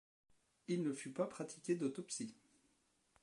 Il ne fut pas pratiqué d'autopsie.